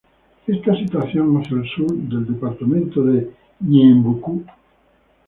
Está situado hacia el sur del Departamento de Ñeembucú.